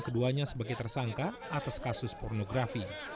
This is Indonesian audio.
keduanya sebagai tersangka atas kasus pornografi